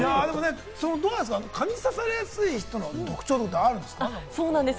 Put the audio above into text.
蚊に刺されやすい人の特徴ってあるんですか？